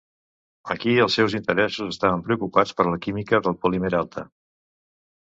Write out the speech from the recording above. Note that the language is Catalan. Aquí els seus interessos estaven preocupats per la química del polímer alta.